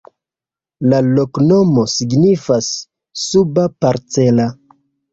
La loknomo signifas: suba-parcela.